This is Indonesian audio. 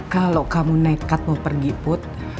kalau kamu nekat mau pergi put